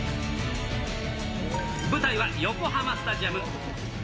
舞台は横浜スタジアム。